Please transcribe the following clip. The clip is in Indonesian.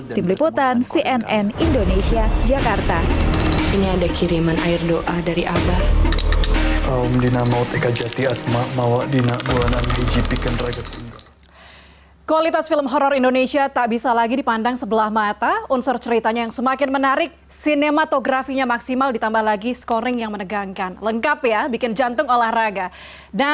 di peliputan cnn indonesia jakarta